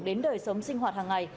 đến đời sống sinh hoạt hàng ngày